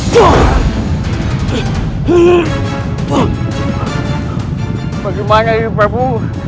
bagaimana ini prabu